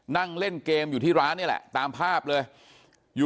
นั่งเล่นเกมอยู่ที่ร้านนี่แหละตามภาพเลยอยู่